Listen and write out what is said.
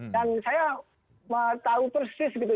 dan saya tahu persis gitu